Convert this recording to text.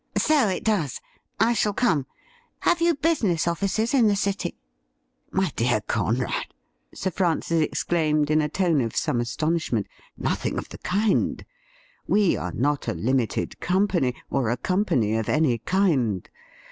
' So it does. I shall come. Have you business ofilces in the City .?'' My dear Conrad,' Sir Francis exclaimed, in a tone of some astonishment, ' nothing of the kind ! We are not a limited company, or a company of any kind.